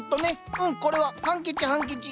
うんこれはハンケチハンケチ。